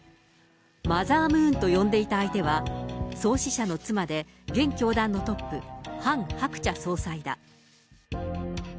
マザームーンと呼んでいた相手は、創始者の妻で、現教団のトップ、ハン・ハクチャ総裁だ。